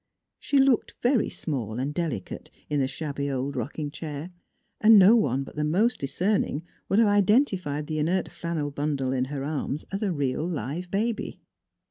She looked very small and delicate in the shabby old rocking chair; and no one but the most discerning would have identi fied the inert flannel bundle in her arms as a real live baby.